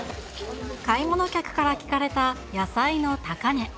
買い物客から聞かれた野菜の高値。